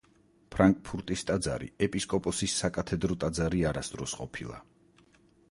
ფრანკფურტის ტაძარი ეპისკოპოსის საკათედრო ტაძარი არასდროს ყოფილა.